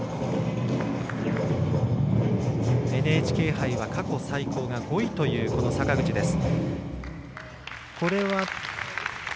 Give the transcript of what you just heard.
ＮＨＫ杯は過去最高が５位という坂口です。１３．４００。